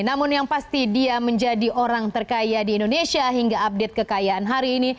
namun yang pasti dia menjadi orang terkaya di indonesia hingga update kekayaan hari ini